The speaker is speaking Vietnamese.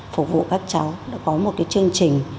phục vụ các cháu đã có một cái chương trình